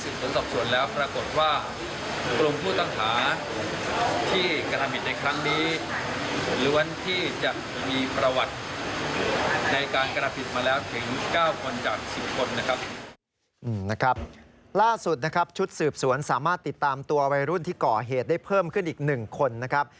ล่าสุดนะครับชุดสืบสวนสามารถติดตามตัววัยรุ่นที่ก่อเหตุได้เพิ่มขึ้นอีก๑คนนะครับ